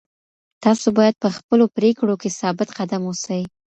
تاسو باید په خپلو پرېکړو کي ثابت قدم اوسئ.